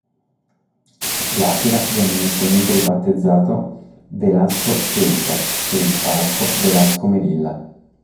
L'Aquila venne inizialmente ribattezzato "Velasco-Ceuta" e il Falco "Velasco-Melilla".